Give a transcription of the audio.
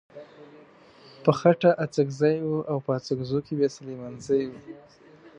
په خټه اڅکزی و او په اڅګزو کې بيا سليمانزی و.